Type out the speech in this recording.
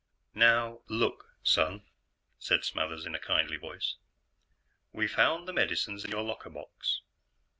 "Now, look, son," said Smathers in a kindly voice, "we found the medicines in your locker box."